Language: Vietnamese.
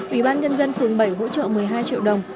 ủy ban nhân dân phường bảy hỗ trợ một mươi hai triệu đồng